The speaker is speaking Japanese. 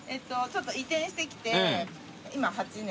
移転してきて今８年。